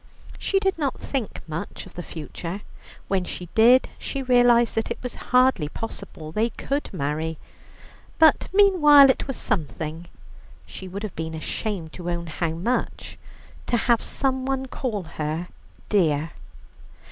She did not think much of the future. When she did, she realized that it was hardly possible they could marry. But meanwhile it was something she would have been ashamed to own how much to have someone call her "dear."